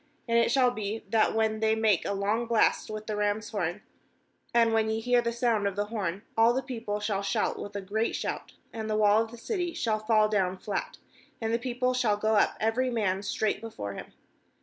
5And it shall be, that when they make a long blast with the ram's horn, and when ye hear the sound of the horn, all the people shall shout with a great shout; and the wall of the city shall fall down flat, and the people shall go up every man straight before him.